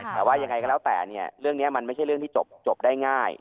แต่ว่ายังไงก็แล้วแต่เนี่ยเรื่องนี้มันไม่ใช่เรื่องที่จบได้ง่าย